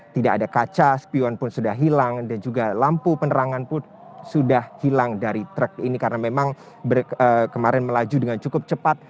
tidak ada kaca spion pun sudah hilang dan juga lampu penerangan pun sudah hilang dari truk ini karena memang kemarin melaju dengan cukup cepat